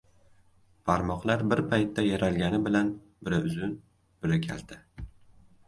• Barmoqlar bir paytda yaralgani bilan biri uzun, biri kalta.